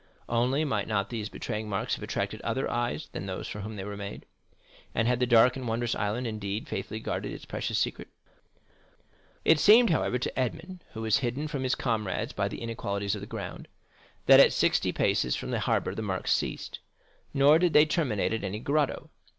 Only, might not these betraying marks have attracted other eyes than those for whom they were made? and had the dark and wondrous island indeed faithfully guarded its precious secret? 0295m It seemed, however, to Edmond, who was hidden from his comrades by the inequalities of the ground, that at sixty paces from the harbor the marks ceased; nor did they terminate at any grotto.